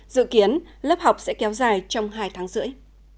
dự kiến lớp học sẽ kéo dài trong hai tháng rưỡi